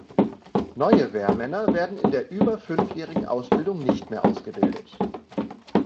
Neue Wehrmänner werden in der über fünfjährigen Ausbildung nicht mehr ausgebildet.